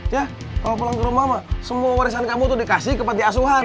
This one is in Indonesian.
ya kalau pulang ke rumah semua warisan kamu itu dikasih ke panti asuhan